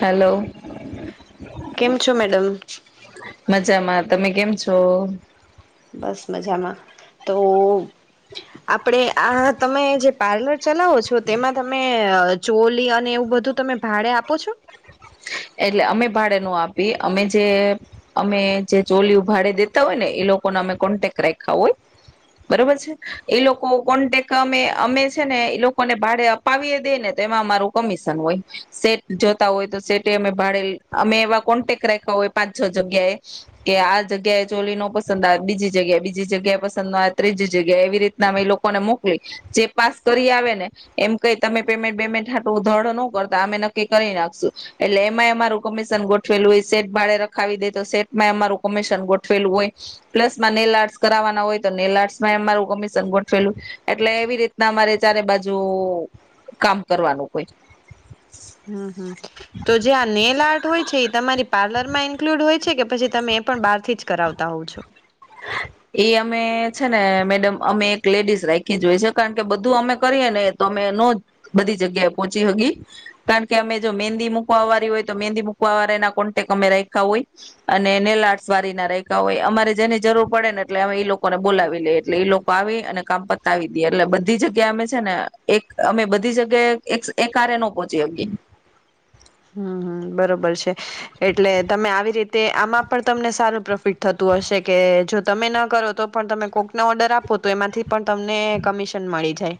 Hello. [inaudible] કેમ છો madam? મજામાં તમે કેમ છો? બસ મજામાં તો આપડે આ તમે જે પાર્લર ચલાવો છો તેમાં તમે ચોલી અને એવું બધું તમે ભાડે આપો છો? એટલે અમે ભાડે નું આપીએ અમે જે અમે જે ચોલીયું ભાડે દેતા હોય ને એ લોકોને અમે કોન્ટેક રાખ્યા હોય, બરોબર છે, એ લોકો કોન્ટેક અમે અમે છે ને એ લોકોને ભાડે અપાવીએ દે ને તો એમાં અમારું કમિશન હોય, સેટ જોતા હોય તો સેટ ભાે અમે એવા કોન્ટેક રાખ્યા હોય પાંચ છ જગ્યાએ, કે આ જગ્યાએ ચોલી ન પસંદ આવે બીજી જગ્યાએ બીજી જગ્યાએ પસંદ ન ત્રીજી જગ્યા એવી રીતના અમે લોકોને મોકલી, જે પાસ કરી આવે ને, એમ કઈ તમે પેમેન્ટ બેેમેન્ટટ ધડ ન કરતા અમે નક્કી કરી નાખશું. એટલે એમાંય અમારું કમિશન ગોઠવેલું હોય સેટ ભાડે રખાવી દે તો સેટમાં અમારું કમિશન ગોઠવેલું હોય, પ્લસ માં નેલ આર્ટસ કરાવવાના હોય તો નેલ આર્ટસમાં અમારું કમિશન ગોઠવેલુંય, એટલે એવી રીતના અમારે ચારે બાજુ કામ કરવાનું હોય. હમ હમ. તો જે આ નેલ આર્ટ હોય છે એ તમારી પાર્લર માં ઇન્કલુડ હોય છે. કે પછી તમે એ પણ બાર થી જ કરાવતા હોવ છો? એ અમે છે ને મેડમ અમે એક લેડીઝ રાખી જોય છે કારણ કે બધું અમે કરીએ ને તો અમે ન બધી જગ્યાએ પોહોંચી હગી, કારણ કે અમે જો મહેંદી મૂકવા વાળી હોય તો મહેંદી મૂકવા વાળાના કોન્ટેક અમે રખ્યા હોય, અને નેલર્ટસ વાળી ના રેખા હોય અમારે જેને જરૂર પડે ને એટલે અમે એઈ લોકોને બોલાવી લઈએ એટલે એ લોકો આવી અને કામ પતાવી દે એટલે બધી જગ્યા અમે છે ને એક અમે બધી જગ્યાએ એ કારે ન પહોંચી શકીએ. હમ હમ બરોબર છે, એટલે તમે આવી રીતે આમાં પણ તમને સારું પ્રોફિટ થતું હશે કે જો તમે ન કરો તો પણ તમે કોક ના ઓર્ડર આપો તો એમાંથી પણ તમને કમિશન મળી જાય.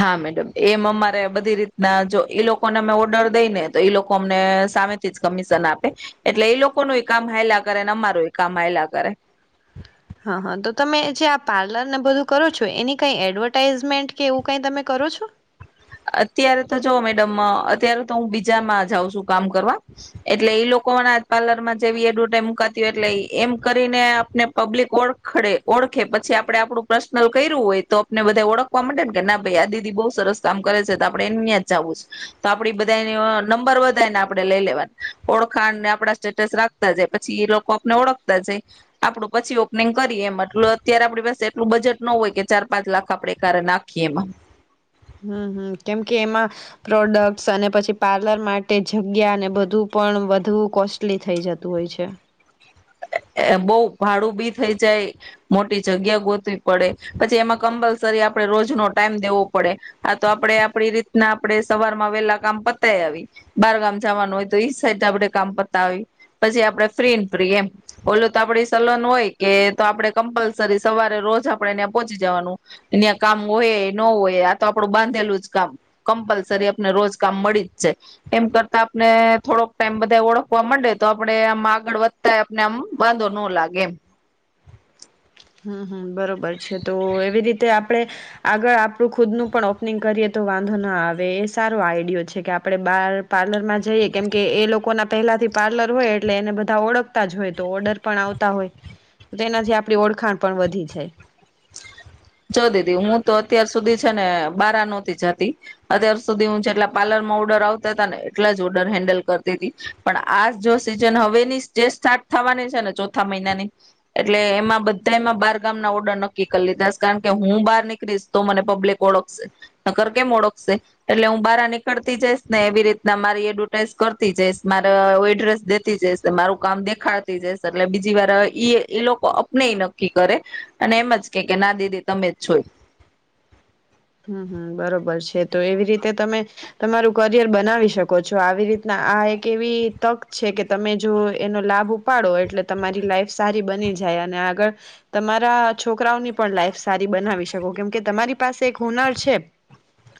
હા મેડમ એમ અમારે બધી રીતના જો એ લોકોને અમે ઓર્ડર દઈ ને તો એ લોકો અમને સામેથી જ કમિશન આપે, એટલે એ લોકો ન કામ હાયલા કરે ને અમાર એ કામ હાયલા કરે. હા હા તો તમે જે આ પાર્લર ને બધું કરો છો એની કઈ એડવર્ટાાઈઝમેન્ટ કે એવું કઈ તમે કરો છો? અત્યારે તો જો મેડમ અત્યારે તો હું બીજામાં જાઉં છું કામ કરવા, એટલે એઈ લોકોના પાર્લર માં જેવી એડવટાઈ મુકાતી હો એટલે એમ કરીને આપને પબ્લિક ઓળખડે ઓળખે પછી આપડે આપડું પર્સનલ કર્યું હોય તો આપને બધા ઓળખવા માટે ને કે ના ભાઈ આ દીદી બહુ સરસ કામ કરે છે તો આપડણે એહીં જવું છે, તો આપડી બધા નંબર વધાય ને આપડણે લઈ લેવાનું, ઓળખાને આપડા સ્ટેટસ રાખતા જાય, પછી એ લોકો આપને ઓળખતા જાય આપડું પછી ઓપનિંગ કરીએ એમ એટલ અત્યારે આપણી પાસે એટલું બજેટ ન હોય ચાર- પાંચ લાખ આપડણે કારે નાખીએ એમાં. હમ હમ કેમકે એમાં, પ્રોડક્ટ્સ અને પછી પાર્લર માટે જગ્યા ને બધું પણ વધુ કોસ્ટલી થઈ જતું હોય છે. બહ ભાડું બી થઈ જાય, મોટી જગ્યા ગોતવી પડે, પછી એમાં કમ્પલસરી આપણે રોજ નો ટાઈમ દેવો પડે, આ તો આપડે આપડી રીતના આપણે સવારમાં વહેલા કામ પતાય આવી બારગામ જવાનું હોય તો એઈ સાઈડ આપે કામ પતા આવી, પછી આપડે ફ્રી ફ્રી એમ. ઓલું તો આપડી સલાન હોય કે તો આપડે કમ્પલસરી સવારે રોજ આપડે એં પહોંચી જવાનું, એ કામ હોય ન હોય આ તો આપડું બાંધેલું જ કામ, કમ્પલસરી આપને રોજ કામ મળી જ જાય છે, એમ કરતા આપને થોડોક ટાઈમ બધા ઓળખવા માંડે તો આપડણે આમ આગળ વધતા નેમ બાંધો ન લાગે એમ. હમ હમ બરોબર છે તો એવી રીતે આપડે, આગળ આપડું ખુદનું પણ ઓપનિંગ કરીએ તો વાંધો ના આવે એ સારો આઈડિયો છે કે આપડે બાર પાર્લર માં જ જઈએ કેમ કે એ લોકો ના પેલાથી પાર્લર હોય એટલે એને બધા ઓળખતા જ હોય તો ઓર્ડર પણ આવતા હોય, તેનાથી આપ ઓળ વખાણ પણ વધી જાય. જો દીદી હું તો અત્યાર સુધી છે ને બારા નહોતી જતી, અત્યાર સુધી હું જેટલા પાર્લર માં ઓર્ડર આવતા હતા ને એટલા જ ઓર્ડર હેન્ડલ કરતી હતી, પણ આ જો સિઝન હવેની જે સ્ટાર્ટ થવાની છે ને ચોથા મહિનાની એટલે એમાં બધામાં બાર ગામ ના ઓર્ડર નક્કી કરી લીધા છે. કારણ કે હું બહાર નીકળીશ તો મને પબ્લિક ઓળખશે, નર કેમ ઓળખશે એટલે હું બહાર નીકળતી જઈશ ને એવી રીતના મારી એડવર્ટાઈઝ કરતી જઈશ મારે એડ્રેસ દેતી જઈશ મારું કામ દેખાડતી જઈશ એટલે બીજી વાર એ લોકો અપનેય નક્કી કરે, અને એમ જ કે કે ના દી દેતા મેચ છો. હમ હમ બરોબર છે તો એવી રીતે તમે, તમારું કરિયર બનાવી શકો છો આવી રીતના આ એક એવી તક છે કે તમે જો એનો લાભ ઉપાડો એટલે તમારી લાઈફ સારી બની જાય અને આગળ, તમારા છોકરાઓની પણ લાઈફ સારી બનાવી શકો કેમકે તમારી પાસે હુનર છે,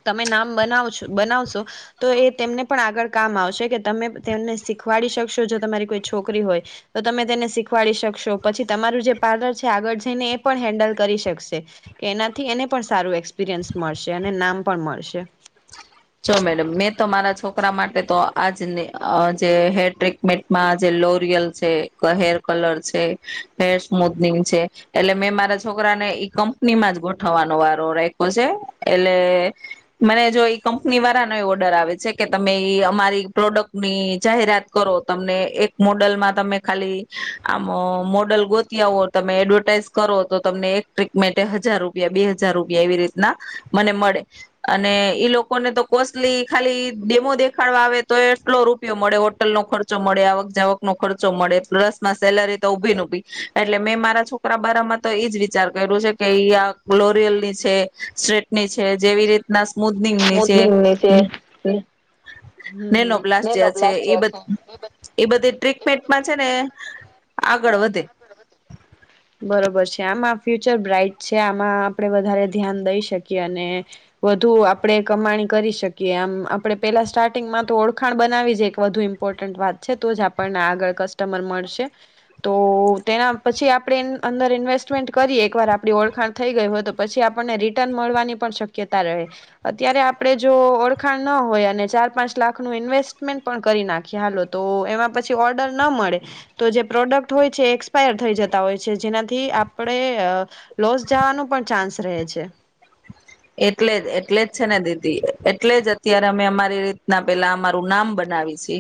તમે નામ બનાવશો બનાવશો, તો એ તેમને પણ આગળ કામ આવશે કે તમે તેમને શીખવાડી શકશો જો તમારી કોઈ છોકરી, હોય તો તમે તેને શીખવાડી શકશો પછી તમારું જે પાર્લર છે આગળ જઈને એ પણ હેન્ડલ કરી શકશે, કે એનાથી એને પણ સારું એક્સ એપીરયન્સ મળશે અને નામ પણ મળશે. જો મેડમ મેં તો મારા છોકરા માટે તો આજ જે હેર ટ્રીટમેન્ટમાં જે લોરિયલ છે હેર કલર છે હેર સ્મૂદનિંગ છે એટલે મેં મારા છોકરાને ઈ કંપનીમાં જ ગોઠવવાનો વારો રાખ્યો છે એટલે મને જો કંપની વાળાનો એ ઓર્ડર આવે છે કે તમે અમારી પ્રોડક્ટ ની જાહેરાત કરો તમને એક મોડલમાં તમે ખાલી આમ મોડલ ગોતી આવો તમે એડવર્ટાઈઝ કરો તો તમને એક ટ્રીકમેન્ટ હજાર રૂપિયા બે હજાર રૂપિયા એવી રીતના મને મળે અને ઈ લોકો ને તો કોસ્ટલી ખાલી ડેમો દેખાડવા આવે તો એટલો રૂપિયો મળે હોટલ નો ખર્ચો મળે આવક જાવક નો ખર્ચો મળે રસ માં સેલરી તો ઉભીને ઉભી એટલે મેં મારા છોકરા બરાામાં તો એઈજ વિચાર કર્યું છે કે આ ગ્લોરિયલ ની છે સ્ટ્રીટની છે જેવી રીતના મુદનીમ છે. હમ નેનો હમ પ્લાસ્ટ છે બધી ટ્રીટમેન્ટમાં છે ને આગળ વધી બરોબર છે આમ ફ્યુચર બ્રાાઈટ છે આમાં આપણે વધારે ધ્યાન દઈ શકીએ અને વધુ આપણે કમાણી કરી શકીએ આમ આપણે પેલા સ્ટાર્ટિંગમાં તો ઓળખાણ બનાવી જ એક વધુ ઇમ્પોર્ટન્ટ વાત છે તો જ આપણને આગળ કસ્ટમર મળશે તો તેના પછી આપણે અંદર ઇન્વેસ્ટમેન્ટ કરીએ એકવાર આપણી ઓળખાણ થઈ ગઈ હોય તો પછી આપણને રિટર્ન મળવાની પણ શક્યતા રહે અત્યારે આપણે જો ઓળખાણ ન હોય અને ચાર પાંચ લાખનું ઇન્વેસ્ટમેન્ટ પણ કરી નાખીએ હાલો તો એમાં પછી ઓર્ડર ન મળે તો જે પ્રોડક્ટ હોય છે એ પાયર થઈ જતા હોય છે જેનાથી આપડણે લોસ જવાનો પણ ચાન્સ રહે છે. એટલે જ એટલે જ છે ને દીદી એટલે જ અત્યારે અમે અમારી રીતના પેલા અમારું નામ બનાવી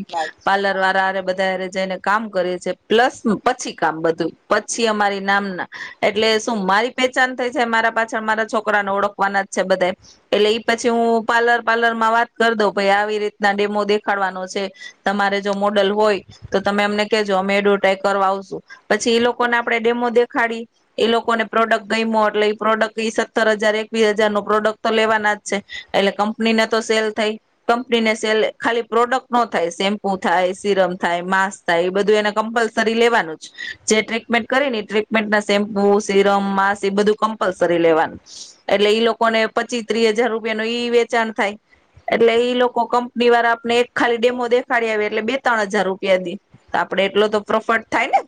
પાર્લર વાળારે બધા જઈને કામ કરે છે પ્લસ પછી કામ બધું પછી અમારી નામના એટલે શું મારી પેચાન થાય છે મારા પાછળ મારા છોકરાને ઓળખ ના બધ એટલે પછી હું પાર્લર પાર્લર માં વાત કરી દઉ પાઈ આવી રીતના ડેમો દેખાડવાનો છે તમારે જો મોડલ હોય તો તમે એમને કેજો અમે એડવોટ્રાય કરવા આવશું પછી એ લોકોને આપણે ડેમો દેખાડી એ લોકોને પ્રોડક્ટ ગયમ્યો એટલે પ્રોડક્ટ ઈ સત્તર હજાર વીસ હજાર ન પ્રોડક્ટ તો લેવાના જ છે એટલે કંપનીને તો સેલ થાય કંપનીને સેલ ખાલી પ્રોડક્ટ નો થાય સેમ્પુ થાય સિરમ થાય માસ થાય એ બધું એને કમ્પલસરી લેવાનું જ જે ટ્રીટમેન્ટ કરી ને ટ્રીટમેન્ટ ના સેમ્પુ સિરમ માસ એ બધું કમ્પલસરી લેવાનું. એટલે ઈ લોકોને પચીસ ત્રીસ હજાર રૂપિયા ન ઈ વેચાણ થાય. એટલે ઈ લોકો કંપની વાળા આપ એક ખાલી ડેમો દેખાડી આવે એટલે બે ત્રણ હજાર રૂપિયા દઈ આપડે એટલો તો પ્રોફિટ થાય ને.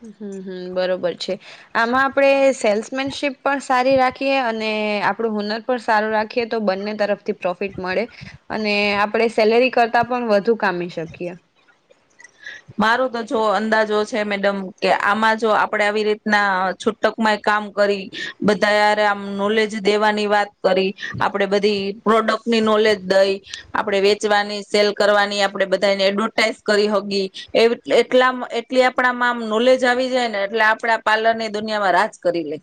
હમ હમ બરોબર છે આમાં આપણેે સેલ્સમેનશીપ પણ સારી રાખીએ અને આપડું હુનર પણ સારું રાખીએ તો બંને તરફથી પ્રોફિટ મળે અને આપણે સેલેરી કરતા પણ વધુ કામી શકીએ. મારો તો જો અંદાજો છે મેડમ કે આમાં જો આપડે આવી રીતના છૂટકમાંય કામ કરી બધાારે આમ નોલેજ દેવાની વાત કરી આપડે બધી પ્રોડક્ટની નોલેજ દઈ આપડે વેચવાની સેલ કરવાની આપડે બધાને એડવર્ટાઈઝ કરી હગ એ એટલા એટલી આપણામાં આમ નોલેજ આવી જાય ને એટલે આપડા પા્લનની દુનિયામાં રાજ કરી લે.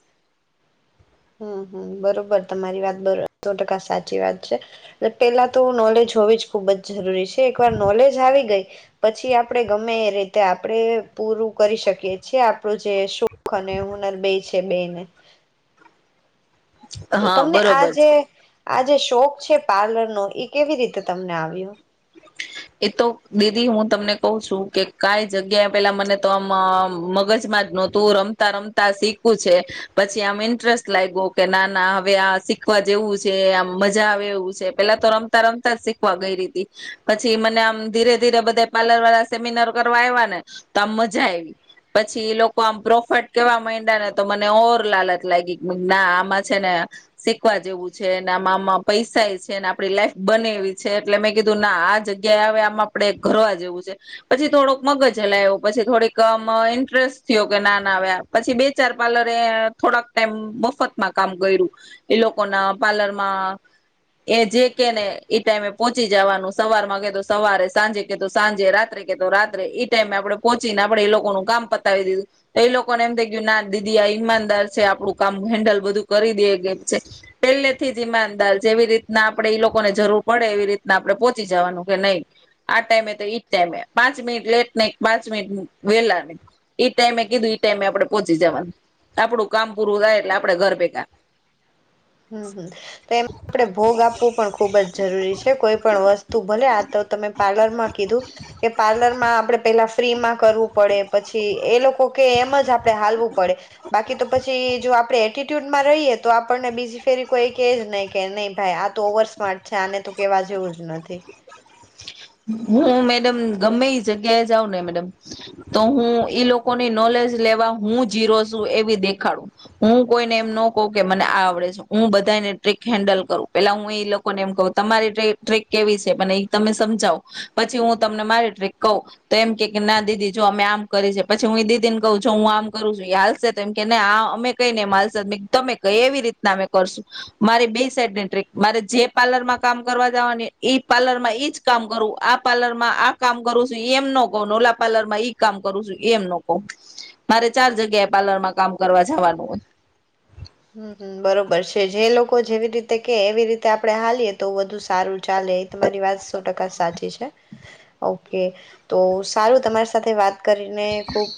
હમ હમ બરોબર તમારી વાત બરોબર સો ટકા સાચી વાત છે. એલે પેલા તો નોલેજ હોવી જ ખુબ જ જરૂરી છે એકવાર નોલેજ આવી ગઈ પછી આપડે ગમે એ રીતે આપણે પૂરું કરી શકીએ છેએ આપણું જે અને હુનર બે છે. છે બેને તો હા તમને આ બરોબર છે જે આ જે શોખ છે પાર્લરનો એ કેવી રીતે તમને આવ્યો. એતો દીદી હું તમને કહ છું કે કઈ જગ્યાએ પેલા મને તો આમ મગજમાં જ નહતું રમતા રમતા શીખવું છે પછી આમ ઇન્ટરેસ્ટ લાગ્યો કે ના ના હવે આ શીખવા જેવું છે આમ મજા આવે એવું છે પેલા તો રમતા રમતા જ શીખવા ગઈ રી હતી. પછી મ આમ ધીરે ધીરે બધા પાર્લર વાળા સેમિનાર કરવા આવ્યા ને તો આમ મજા આવી પછી લોકો આમ પ્રોફેટ કેવા માંડ્યા ને તો મને ઓર લાલચ લાગી કે ના આમાં છે ને શીખવા જેવું છે ને આમાં આમાં પૈસા છે ને આપડી લાઈફ બને એવી છે એટલે મેં કીધું ના આ જગ્યામ આપ ઘરવા જેવું છે પછી થોડોક મગજ હલાવ્યો પછી થોડીક આમ ઇન્ટરેસ્ટ થયો કે ના ના આવ્યા પછી બે ચાર પાર્લરે થોડાક ટાઈમ મફતમાં કામ કર્યું એ લોકો ના પાર્લરમાં એ જે કેને એ ટાઈમે પહચી જવાનું સવાર સવારે સાંજે કે સાંજે રાત્રે કે તો રાત્રે એઈ ટાઈમે આપડે પોહોંચી ને આપડે એ લોકોનું કામ પતાવી દીધું એ લોકોને એમ થઈ ગયું ના દીદી આ ઈમાનદાર છે આપણું કામ હેન્ડલ બધું કરી દેએ ગમ છે પેલે થી જ ઈમાનદાર જેવી રીતના આપડણે ઈ લોકોને જરૂર પડે એવી રીતના આપડણે પોહોંચી જવાનું. કે નહી આ ટાઈમે તો એઈજ ટાઈમે પાંચ મિનિટ લેટ નહી પાંચ મિનિટ વેલા નહી એઈ ટાઈમે કીધું ટાઈમે આપડે પોહોંચી જવાનું આપડું કામ પૂરું થાય એટલે આપડે ઘર ભેગા હમ તો એ આપણેે ભોગ આપવું પણ ખુબ જ જરૂરી છે કોઈ પણ વસ્તુ આ તો તમે પાર્લર માં કીધું કે પાર્લર માં આપે પેલા ફ્રીમાં કરવું પડે પછી એ લોકો કે એમ જ આપણે હાલવું પડે બાકી તો પછી જો આપડણે એટટ્યુડમાં રહીએ તો આપણને બીજી ફેરી કોઈ કેજ નહી કે નહી ભાઈ આ તો ઓવર સ્માર્ટ છે આને તો કેવા જેવું જ નથીથી. હું મેડમ ગમે એ જગ્યાએ જાઉં ને મેડમ તો હું ઈ લોકોની નોલેજ લેવા હું જીરો છું એવી દેખાડું હું કોઈને એમ ન કહું કે મને આ આવડે છે હું બધાને ટ્રિક હેન્ડલ કરું પેલા હું લોકોને એમ કહ તમારી ટક કેવી છે એ તમે સમજાવો પછી હું તમને મારી ટ્રીક કહું તો એમ કે ના દીદી જો અમે આમ કરી છે પછી હું એ દીદી ને કહું જો હું આમ કરું છું એ હાલશે તો એમ કેને આ અમે કહી ને એમ હાલશે તમે કહી એવી રીતના અમે કરશું મારી બે સાઈડની ટ્રીક મારે જે પાર્લર માં કામ કરવા જવાની ઈ પાર્લર માં ઈજ કામ કરું આ પાર્લર માં આ કામ કરું છું એમ ન કહ નોલા પાર્લર માં ઈ કામ કરું છું એમ ન કહું મારે ચાર જગ્યાએ પાર્લરમાં કામ કરવા જવાનું હોય. હમમ બરોબર છે જે લોકો જેવી રીતે કે એવી રીતે આપડણે હાલીએ તો વધુ સારું ચાલે એ તમારી વાત સો ટકા સાચી છે ઓકે તો સારું તમારી સાથે વાત વા કરીને ખૂબ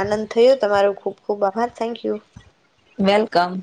આનંદ થયો તમારો ખુબ ખુબ આભાર થેન્ક યુ. વેલકમ.